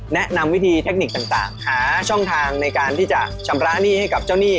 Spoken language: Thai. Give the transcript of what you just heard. แนะนำวิธีเทคนิคต่างหาช่องทางในการที่จะชำระหนี้ให้กับเจ้าหนี้